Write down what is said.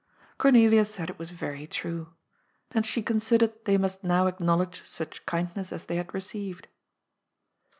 Cornelia said it was very true. And she considered they must now acknowledge such kindness as they had re ceived.